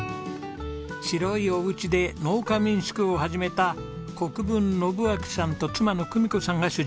白いお家で農家民宿を始めた國分信秋さんと妻の久美子さんが主人公です。